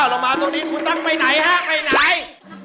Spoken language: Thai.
เรามาตรงนี้คุณต้องไปไหนฮะไปไหน